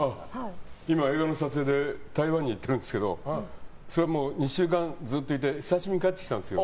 今、映画の撮影で台湾に行ってるんですけどそれは２週間ずっといて久しぶりに帰ってきたんですよ。